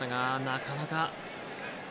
なかなか。